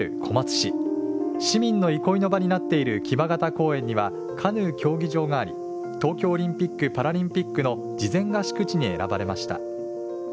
市民の憩いの場になっている木場潟公園にはカヌー競技場があり東京オリンピックパラリンピックの事前合宿地に選ばれました。